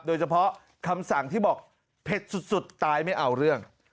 โดยเฉพาะคำสั่งที่บอกเผ็ดสุดตายไม่เอาเรื่อง